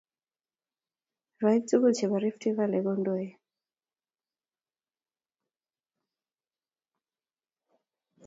Rwaik tugul chebo Rift valley kondoie